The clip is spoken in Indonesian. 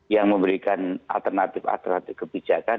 yang memberikan alternatif alternatif kebijakan